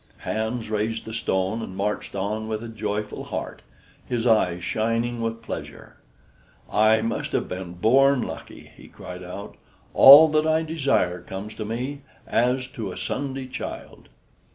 Hans raised the stone and marched on with a joyful heart, his eyes shining with pleasure. "I must have been born lucky," he cried out. "All that I desire comes to me, as to a Sunday child."